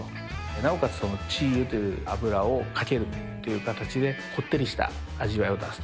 なおかつチーユという油をかけるっていう形で、こってりした味わいを出すと。